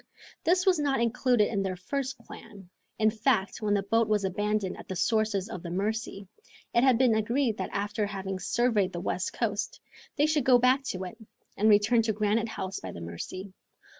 This was not included in their first plan. In fact, when the boat was abandoned at the sources of the Mercy, it had been agreed that after having surveyed the west coast, they should go back to it, and return to Granite House by the Mercy.